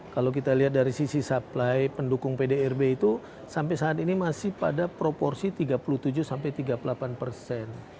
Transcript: kalau kita lihat dari sisi supply pendukung pdrb itu sampai saat ini masih pada proporsi tiga puluh tujuh sampai tiga puluh delapan persen